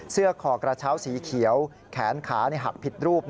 คอกระเช้าสีเขียวแขนขาหักผิดรูป